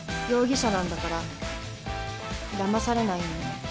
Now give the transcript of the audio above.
容疑者なんだからだまされないようにね。